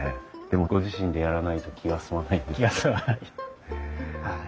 でもご自身でやらないと気が済まない。